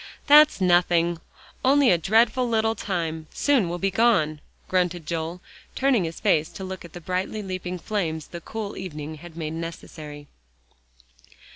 "That's nothing; only a dreadful little time soon will be gone," grunted Joel, turning his face to look at the brightly leaping flames the cool evening had made necessary.